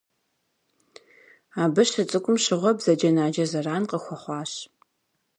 Абы щыцӏыкӏум щыгъуэ бзаджэнаджэ зэран къыхуэхъуащ.